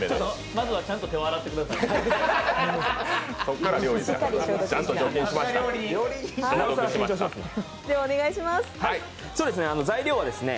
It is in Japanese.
まずはちゃんと手を洗ってくださいね。